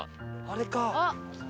あれか。